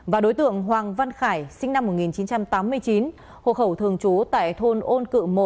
và đối tượng hoàng văn khải sinh năm một nghìn chín trăm tám mươi chín hộ khẩu thường trú tại thôn ôn cự một